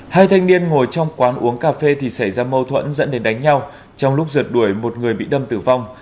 hai thanh niên ngồi trong quán uống cà phê thì xảy ra mâu thuẫn dẫn đến đánh nhau trong lúc rượt đuổi một người bị đâm tử vong